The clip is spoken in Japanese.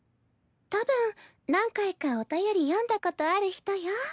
たぶん何回かお便り読んだことある人よ。